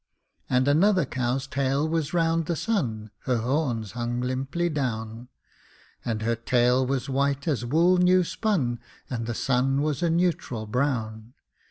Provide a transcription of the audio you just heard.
And another cow's tail was round the sun (Her horns hung limply down); And her tail was white as wool new spun, And the sun was a neutral brown.